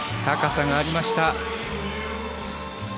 高さがありました。